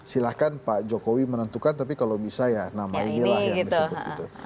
silahkan pak jokowi menentukan tapi kalau bisa ya nama inilah yang disebut gitu